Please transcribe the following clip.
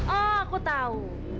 oh aku tahu